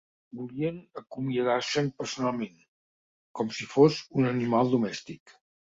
Volien acomiadarse'n personalment, com si fos un animal domèstic.